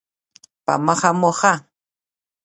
په مخه مو ښه؟